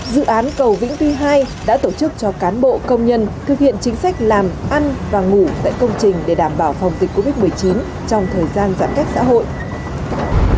dự án cầu vĩnh tuy hai đã tổ chức cho cán bộ công nhân thực hiện chính sách làm ăn và ngủ tại công trình để đảm bảo phòng dịch covid một mươi chín trong thời gian giãn cách xã hội